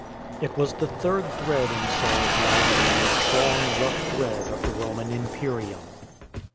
It was the third thread in Saul's life — the strong rough thread of the Roman imperium.